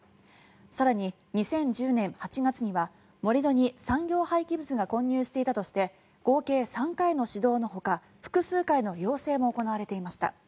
更に、２０１０年８月には盛り土に産業廃棄物が混入していたとして合計３回の指導のほか複数回の要請も行われていました。